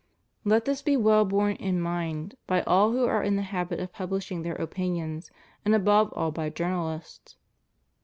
Let this be well borne in mind by all who are in the habit of publishing their opinions, and above all by jour nalists.